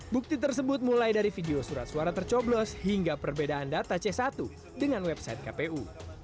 bukti tersebut mulai dari video surat suara tercoblos hingga perbedaan data c satu dengan website kpu